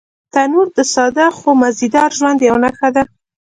تنور د ساده خو مزيدار ژوند یوه نښه ده